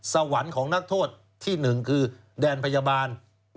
สวรรค์ของนักโทษที่๑คือแดนพยาบาล